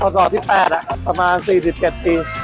สอบที่๘ประมาณ๔๗ปี